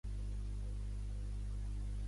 Algú la té sempre completament?